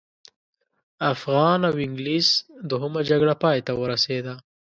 افغان او انګلیس دوهمه جګړه پای ته ورسېده.